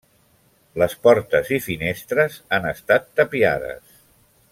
Les portes i finestres han estat tapiades.